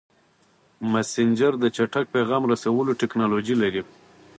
مسېنجر د چټک پیغام رسولو ټکنالوژي لري.